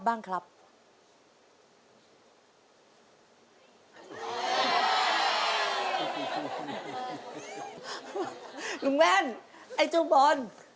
ลุงแว่นไอ้เจ้าบอล